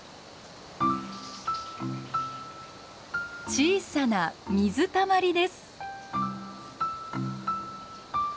小さな水たまりです。